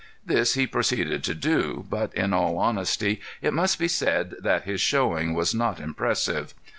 This he proceeded to do, but in all honesty it must be said that his showing was not impressive.